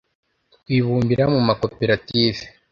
twibumbira mu makoperative